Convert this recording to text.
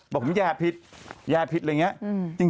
บอกผมแย่ผิดแย่ผิดอะไรอย่างนี้